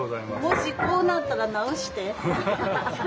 もしこうなったら直して。